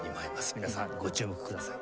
皆さんご注目ください。